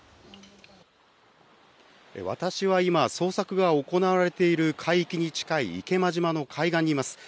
私は今、捜索が行われている海域に近い池間島の海岸にいます。